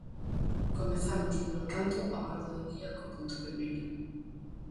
Comezamos, polo tanto, a orde do día co punto primeiro.